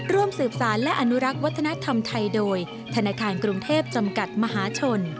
ร่วมสืบสารและอนุรักษ์วัฒนธรรมไทยโดยธนาคารกรุงเทพจำกัดมหาชน